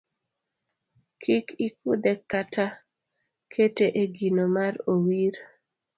Kik ikudhe kata kete e gino ma owir.